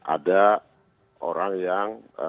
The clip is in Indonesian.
ada orang yang